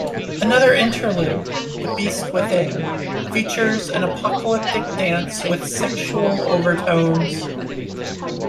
Another interlude, "The Beast Within", features an apocalyptic dance with sexual overtones.